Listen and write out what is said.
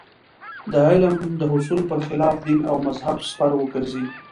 د علم د حصول پر خلاف دین او مذهب سپر وګرځي.